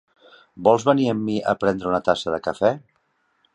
Vols venir amb mi a prendre una tassa de cafè?